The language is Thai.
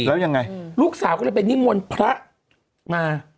แล้วยังไงลูกสาวก็เลยไปนิมนต์พระมา